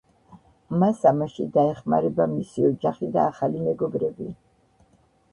მას ამაში დაეხმარება მისი ოჯახი და ახალი მეგობრები.